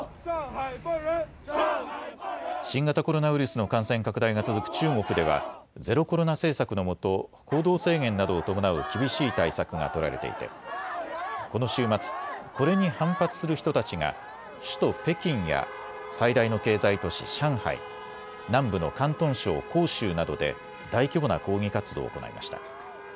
新型コロナウイルスの感染拡大が続く中国ではゼロコロナ政策のもと行動制限などを伴う厳しい対策が取られていてこの週末、これに反発する人たちが首都・北京や最大の経済都市、上海、南部の広東省広州などで大規模な抗議活動を行いました。